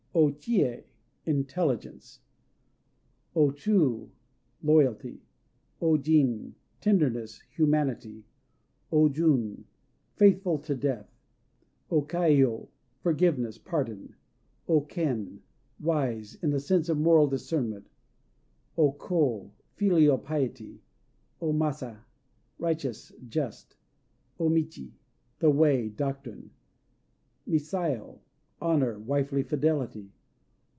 O Chië "Intelligence." O Chû "Loyalty." O Jin "Tenderness," humanity. O Jun "Faithful to death." O Kaiyô "Forgiveness," pardon. O Ken "Wise," in the sense of moral discernment. O Kô "Filial Piety." O Masa "Righteous," just. O Michi "The Way," doctrine. Misao "Honor," wifely fidelity.